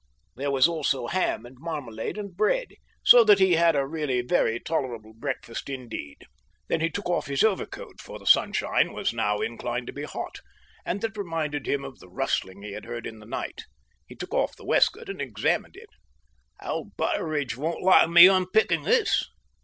There was also ham and marmalade and bread, so that he had a really very tolerable breakfast indeed. Then he took off his overcoat, for the sunshine was now inclined to be hot, and that reminded him of the rustling he had heard in the night. He took off the waistcoat and examined it. "Old Butteridge won't like me unpicking this."